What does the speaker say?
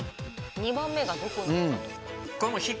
２番目がどこなのかと。